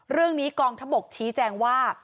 เรื่องนี้กองทบกชี้แจงว่า